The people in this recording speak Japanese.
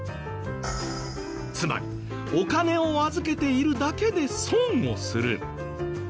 つまりお金を預けているだけで損をする。